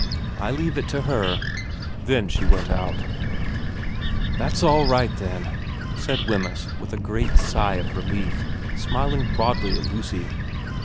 I leave it to her.' Then she went out. 126 VERA ' That's all right then,' said Wemyss with a great sigh of relief, smiling broadly at Lucy.